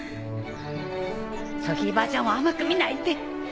ソフィーばあちゃんを甘く見ないで！